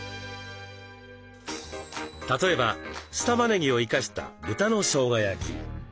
例えば酢たまねぎを生かした豚のしょうが焼き。